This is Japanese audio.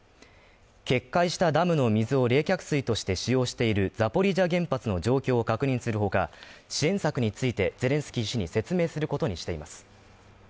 決壊したダムの水を冷却水として使用しているザポリージャ原発の状況を確認するほか支援策について、ゼレンスキー氏に説明することにしています。